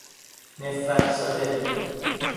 نفرت شده